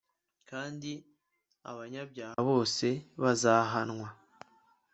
kandi abanyabyaha bose bazahanwa